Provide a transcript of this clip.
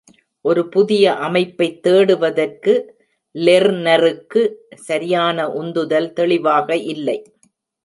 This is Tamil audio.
ஒரு புதிய அமைப்பைத் தேடுவதற்கு லெர்னருக்கு சரியான உந்துதல் தெளிவாக இல்லை.